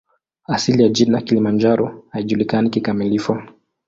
Asili ya jina "Kilimanjaro" haijulikani kikamilifu.